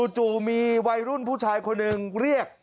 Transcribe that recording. จู่มีวัยรุ่นผู้ชายคนหนึ่งเรียก